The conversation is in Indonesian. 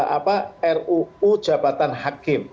apa ruu jabatan hakim